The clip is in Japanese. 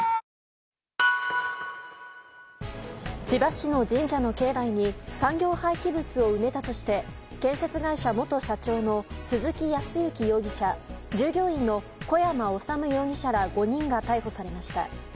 千葉市の神社の境内に産業廃棄物を埋めたとして建設会社元社長の鈴木康之容疑者従業員の小山修容疑者ら５人が逮捕されました。